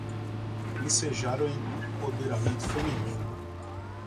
Ensejar o empoderamento feminino